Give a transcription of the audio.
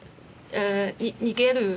逃げる。